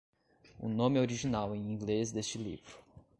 O nome original em inglês deste livro